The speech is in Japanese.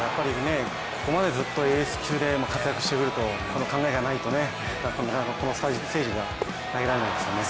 ここまでずっとエース級で活躍してくるとこの考えがないと、このステージでは投げられないですよね。